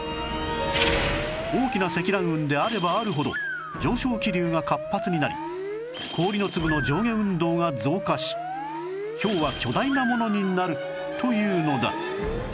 大きな積乱雲であればあるほど上昇気流が活発になり氷の粒の上下運動が増加しひょうは巨大なものになるというのだ